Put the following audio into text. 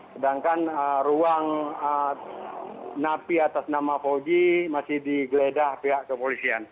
sedangkan ruang napi atas nama fauji masih digeledah pihak kepolisian